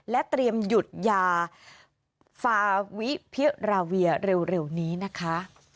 เตรียมหยุดยาฟาวิพิราเวียเร็วนี้นะคะ